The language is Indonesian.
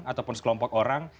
ataupun sekelompok orang